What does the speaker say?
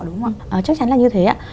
đúng không ạ chắc chắn là như thế ạ